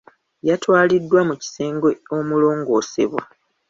Yatwaliddwa mu kisenge omulongoosebwa.